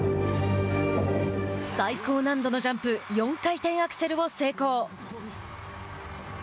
最高難度のジャンプ４回転アクセルを成功。